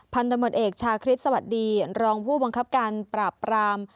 พันธมตเอกชาคริสต์สวัสดีรองผู้บังคับการปราบปราม